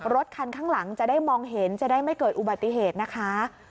รถคันข้างหลังจะได้มองเห็นจะได้ไม่เกิดอุบัติเหตุนะคะ